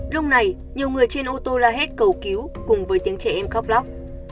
lúc này nhiều người trên ô tô la hét cầu cứu cùng với tiếng trẻ em khóc lóc